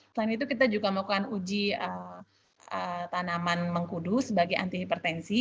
selain itu kita juga melakukan uji tanaman mengkudu sebagai anti hipertensi